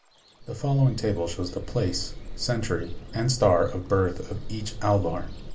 The following table shows the place, century and star of birth of each Alvar.